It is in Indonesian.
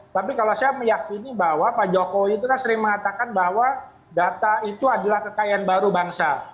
tapi kalau saya meyakini bahwa pak jokowi itu kan sering mengatakan bahwa data itu adalah kekayaan baru bangsa